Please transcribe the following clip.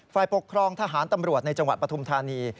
ฝ่ายปกครองทหารตำรวจในจังหวัดปฐุมธานี